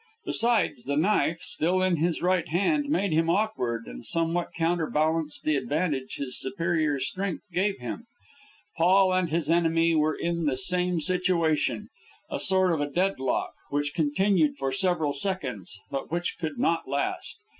Besides, the knife, still in his right hand, made him awkward and somewhat counterbalanced the advantage his superior strength gave him. Paul and his enemy were in the same situation a sort of deadlock, which continued for several seconds, but which could not last.